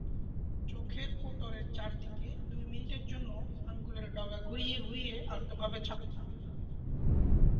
চোখের কোটরের চারদিকে দুই মিনিটের জন্য আঙুলের ডগা ঘুরিয়ে ঘুরিয়ে আলতোভাবে চাপুন।